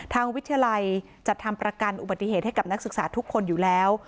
ทางวิทยาลัยจัดทำประกันอุบัติเหตุให้กับนักศึกษาทุกคนอยู่แล้ว